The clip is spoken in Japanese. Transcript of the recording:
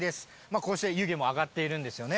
こうして湯気も上がっているんですよね。